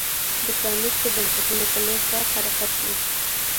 د پرانیستو بنسټونو په لور پراخ حرکت وي.